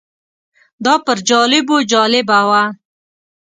دا پر جالبو جالبه وه.